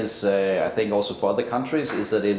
saya pikir juga untuk negara lain